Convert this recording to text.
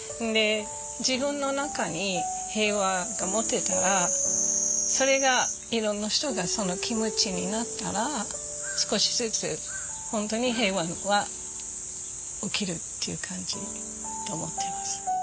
自分の中に平和が持てたらそれがいろんな人がその気持ちになったら少しずつ本当に平和は起きるっていう感じと思ってます。